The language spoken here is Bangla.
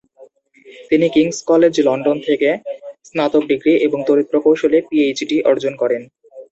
তিনি কিংস কলেজ লন্ডন থেকে স্নাতক ডিগ্রি এবং তড়িৎ প্রকৌশলে পিএইচডি অর্জন করেন।